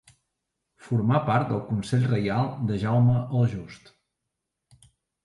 Formà part del consell reial de Jaume el Just.